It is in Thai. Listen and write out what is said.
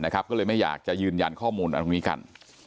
ก็เลยไม่อยากจะยืนยันข้อมูลอะไรตรงนี้กัน